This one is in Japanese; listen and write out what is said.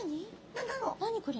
何これ？